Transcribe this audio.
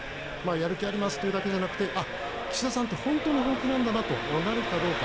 やる気がありますというだけじゃなく岸田さんって、本当に本気なんだとなるかどうか。